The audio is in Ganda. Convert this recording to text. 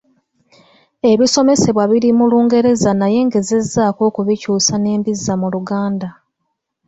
Ebisomesebwa biri mu Lungereza naye ngezezzaako okubikyusa ne mbizza mu Luganda.